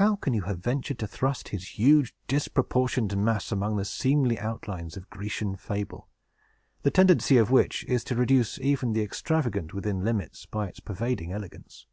How can you have ventured to thrust his huge, disproportioned mass among the seemly outlines of Grecian fable, the tendency of which is to reduce even the extravagant within limits, by its pervading elegance?"